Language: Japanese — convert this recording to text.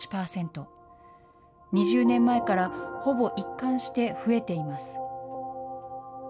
２０年前からほぼ一貫して増えています。